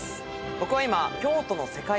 僕は今。